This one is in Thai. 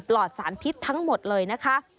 ลอดสารพิษทั้งหมดเลยนะคะ